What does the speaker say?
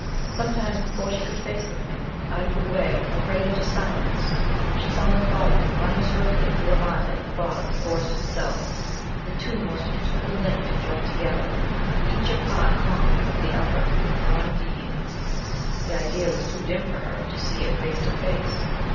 Sometimes, before she could face the thing, argue it away, or pray it into silence, she found the thought of him running swiftly through her mind like a thought of the Forest itself, the two most intimately linked and joined together, each a part and complement of the other, one being. The idea was too dim for her to see it face to face.